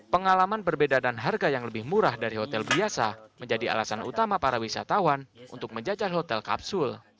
pengalaman berbeda dan harga yang lebih murah dari hotel biasa menjadi alasan utama para wisatawan untuk menjajah hotel kapsul